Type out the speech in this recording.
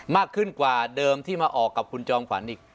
มากขึ้นกว่าเดิมที่มาออกกับคุณจอมขวัญอีก